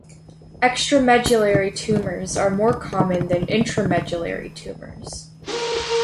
Extramedullary tumours are more common than intramedullary tumours.